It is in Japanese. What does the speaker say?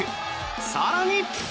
更に。